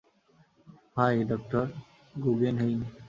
High, ডঃ Guggenheim.